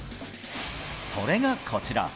それが、こちら。